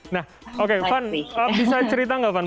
nah oke van bisa cerita nggak van